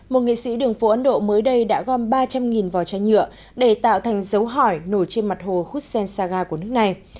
một nghệ sĩ đường phố ấn độ mới đây đã gom ba trăm linh vò chai nhựa để tạo thành dấu hỏi nổi trên mặt hồ hussein saga của nước này